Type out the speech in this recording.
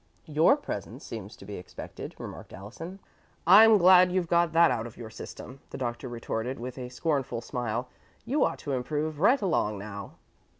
"Your presence seems to be expected," remarked Allison. "I'm glad you've got that out of your system," the Doctor retorted, with a scornful smile. "You ought to improve right along now."